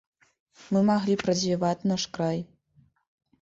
Мы маглі б развіваць наш край.